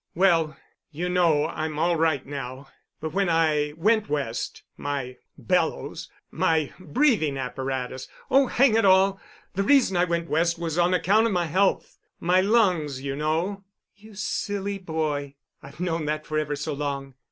"Well, you know I'm all right now, but when I went West my bellows—my breathing apparatus—oh, hang it all! The reason I went West was on account of my health. My lungs, you know——" "You silly boy. I've known that for ever so long.